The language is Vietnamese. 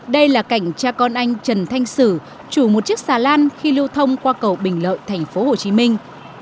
đây là cảnh cha con anh trần thanh sử chủ một chiếc xà lan khi lưu thông qua cầu bình lợi thành phố hồ chí minh